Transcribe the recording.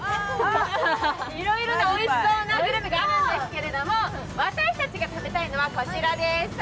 おいしそうなグルメがあるんですけれども、私たちが食べたいのはこちらです。